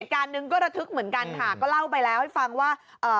การนึงก็ระทึกเหมือนกันค่ะก็เล่าไปแล้วให้ฟังว่าเอ่อ